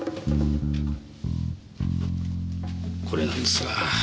これなんですが。